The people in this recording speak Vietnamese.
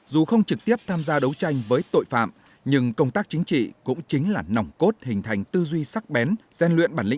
dù không trực tiếp tham gia đấu tranh với tội phạm nhưng công tác chính trị cũng chính là nòng cốt hình thành tư duy sắc bén